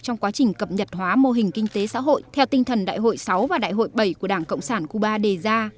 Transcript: trong quá trình cập nhật hóa mô hình kinh tế xã hội theo tinh thần đại hội sáu và đại hội bảy của đảng cộng sản cuba đề ra